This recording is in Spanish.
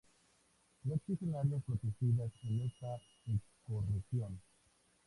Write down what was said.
No existen áreas protegidas en esta ecorregión.